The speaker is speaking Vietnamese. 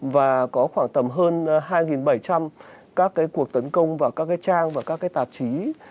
và có khoảng tầm hơn hai bảy trăm linh các cuộc tấn công vào các cái trang và các cái tạp chí